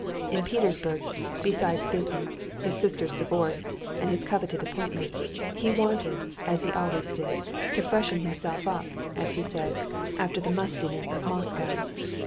In Petersburg, besides business, his sister's divorce, and his coveted appointment, he wanted, as he always did, to freshen himself up, as he said, after the mustiness of Moscow.